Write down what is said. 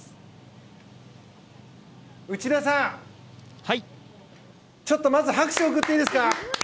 内田さん、ちょっとまず拍手を送っていいですか！